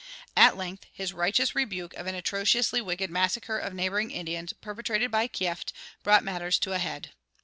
At length his righteous rebuke of an atrociously wicked massacre of neighboring Indians perpetrated by Kieft brought matters to a head.